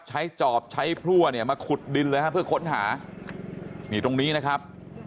จอบใช้พลั่วเนี่ยมาขุดดินเลยฮะเพื่อค้นหานี่ตรงนี้นะครับ